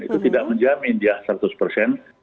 itu tidak menjamin dia seratus persen